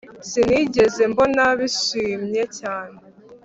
sinigeze mbona bishimye cyane